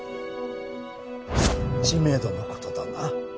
知名度の事だな。